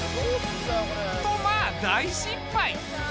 とまあ大失敗。